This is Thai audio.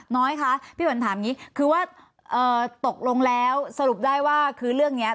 น้อยค่ะพี่วันถามงี้คือว่าเอ่อตกลงแล้วสรุปได้ว่าคือเรื่องเนี้ย